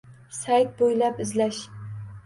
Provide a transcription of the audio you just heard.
Sayt bo‘ylab izlash